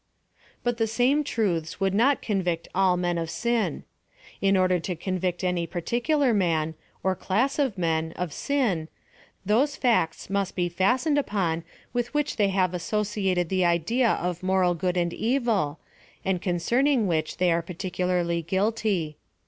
But the same truths would not convict all men of sin. In order to convict any particular man, or PLAN OF SALVATION. 237 class of men, of sii:, those facts iniist be fastened tipon with which they have associated the idea of moral good and evil, and concern .ng which they are particularly guilty.